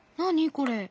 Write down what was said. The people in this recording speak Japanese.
これ。